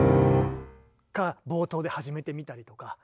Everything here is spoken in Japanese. が冒頭で始めてみたりとか。